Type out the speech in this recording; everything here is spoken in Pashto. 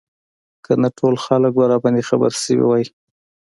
که نه ټول خلک به راباندې خبر شوي وو.